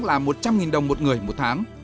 là một trăm linh đồng một người một tháng